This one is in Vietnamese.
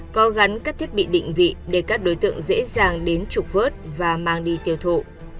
có gắn các thiết bị định vị để các đối tượng dễ dàng đến trục vớt và mang đi tiêu thụ